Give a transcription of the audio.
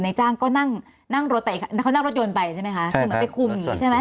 นายจ้างก็นั่งรถยนต์ไปใช่ไหมคะ